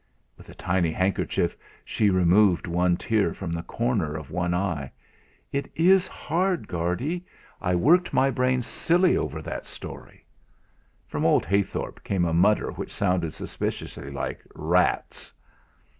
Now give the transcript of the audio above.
With a tiny handkerchief she removed one tear from the corner of one eye. "It is hard, Guardy; I worked my brain silly over that story." From old Heythorp came a mutter which sounded suspiciously like: "Rats!"